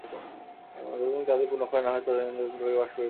যতদিন তাহাদের পুণ্যক্ষয় না হয়, ততদিন চন্দ্রলোকে বাস করিতে থাকে।